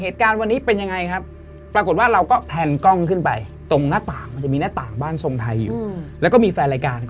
ที่ตัววิวไฟเดอร์อะ